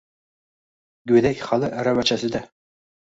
Go‘dak hali aravachasida